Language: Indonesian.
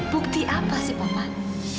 bukti apa sih bapak